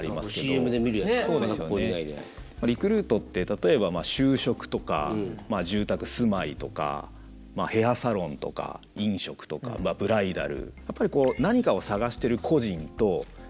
リクルートって例えば就職とか住宅住まいとかヘアサロンとか飲食とかブライダル。